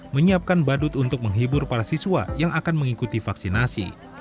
menyiapkan badut untuk menghibur para siswa yang akan mengikuti vaksinasi